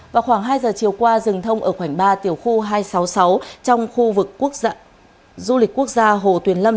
vào khoảng hai giờ chiều qua rừng thông ở khoảng ba tiểu khu hai trăm sáu mươi sáu trong khu vực quốc gia hồ tuyền lâm